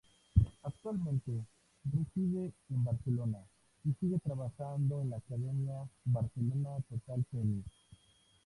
Actualmente reside en Barcelona y sigue trabajando en la academia Barcelona Total Tennis.